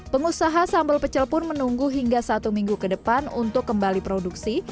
pengusaha sambal pecel pun menunggu hingga satu minggu ke depan untuk kembali produksi